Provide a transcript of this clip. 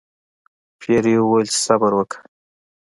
پیري وویل چې صبر وکړه.